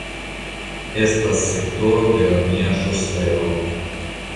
Estas sektoro de romia ŝoseo.